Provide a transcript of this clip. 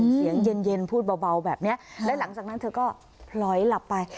เสียงเย็นพูดเบาแบบนี้และหลังจากนั้นเธอก็พลอยหลับไป